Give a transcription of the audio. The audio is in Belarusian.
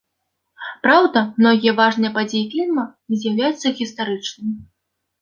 Праўда, многія важныя падзеі фільма не з'яўляюцца гістарычнымі.